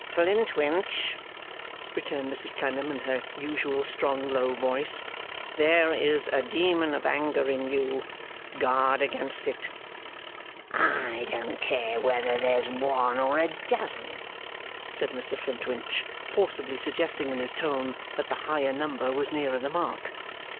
'Flintwinch,' returned Mrs Clennam, in her usual strong low voice, 'there is a demon of anger in you. Guard against it.' 'I don't care whether there's one or a dozen,' said Mr Flintwinch, forcibly suggesting in his tone that the higher number was nearer the mark.